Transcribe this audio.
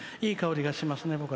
いい香りがしますね。